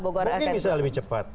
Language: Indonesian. mungkin bisa lebih cepat